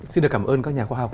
xin được cảm ơn các nhà khoa học